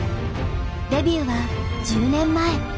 デビューは１０年前。